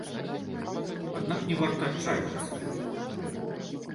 Аднак не варта адчайвацца.